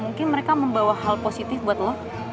mungkin mereka membawa hal positif buat lo